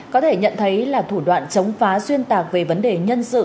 có thể nhận thấy là thủ đoạn chống phá xuyên tạc về vấn đề nhân sự